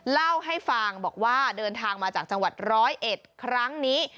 เล่าให้ฟังบอกว่าเดินทางมาจากจังหวัดร้อยเอ็ดครั้งนี้